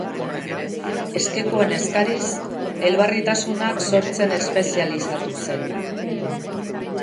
Eskekoen eskariz, elbarritasunak sortzen espezializatu zen.